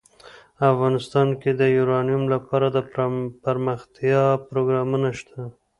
افغانستان کې د یورانیم لپاره دپرمختیا پروګرامونه شته.